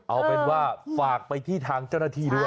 เอาเป็นว่าฝากไปที่ทางเจ้าหน้าที่ด้วย